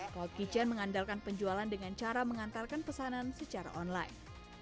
cloud kitchen mengandalkan penjualan dengan cara mengantarkan pesanan secara online